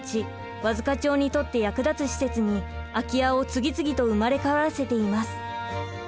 和束町にとって役立つ施設に空き家を次々と生まれ変わらせています。